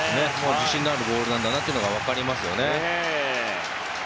自信のあるボールなんだなと分かりますね。